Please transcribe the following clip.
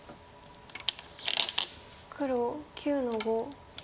黒９の五。